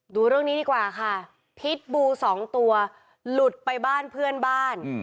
ดูเรื่องนี้ดีกว่าค่ะพิษบูสองตัวหลุดไปบ้านเพื่อนบ้าน